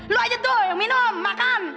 lu aja tuh minum makan